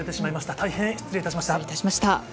大変失礼いたしました。